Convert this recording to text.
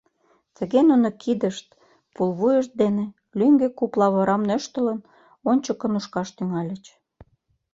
Тыге нуно кидышт, пулвуйышт дене лӱҥгӧ куп лавырам нӧштылын, ончыко нушкаш тӱҥальыч.